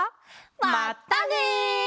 まったね！